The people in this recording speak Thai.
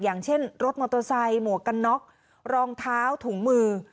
อย่างเช่นรถมอเตอร์ไซค์หมวกกันน็อกรองเท้าถุงมือ